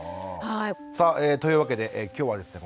さあというわけで今日はですね